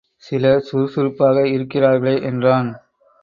சிலர் சுருசுருப்பாக இருக்கிறார்களே என்றான்.